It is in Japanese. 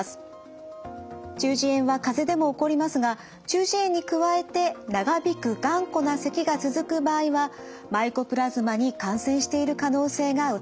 中耳炎はかぜでも起こりますが中耳炎に加えて長引く頑固なせきが続く場合はマイコプラズマに感染している可能性が疑われます。